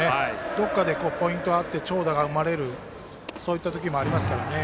どこかでポイントがあって長打が生まれるそういった時もありますから。